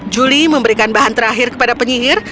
juli memberikan bahan terakhir kepada penyihir